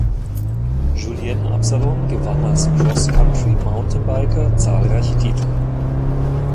Julien Absalon gewann als Cross-Country-Mountainbiker zahlreiche Titel.